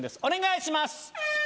お願いします！